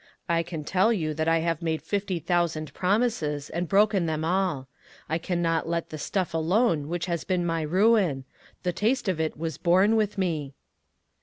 I can tell you that I have made fifty thou sand promises, and broken them all. I can not let the stuff alone which has been my ruin. The taste for it was born with me."